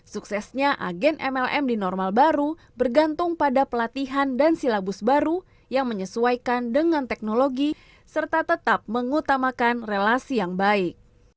suksesnya agen mlm di normal baru bergantung pada pelatihan dan silabus baru yang menyesuaikan dengan teknologi serta tetap mengutamakan relasi yang baik